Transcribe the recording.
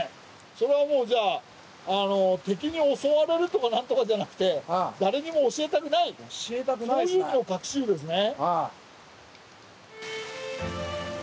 それはもう敵に襲われるとか何とかじゃなくて誰にも教えたくないそういう意味の隠し湯ですね。